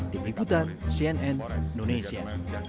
tim liputan cnn indonesia